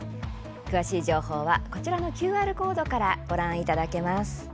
詳しい情報はこちらのＱＲコードからご覧いただけます。